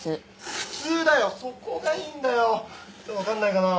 普通だよそこがいいんだよ！分かんないかなぁ。